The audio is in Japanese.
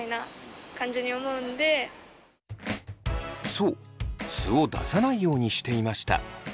そう素を出さないようにしていました。